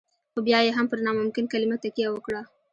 خو بيا يې هم پر ناممکن کلمه تکيه وکړه.